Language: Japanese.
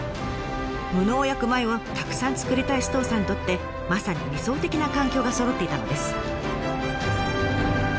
無農薬米をたくさん作りたい首藤さんにとってまさに理想的な環境がそろっていたのです。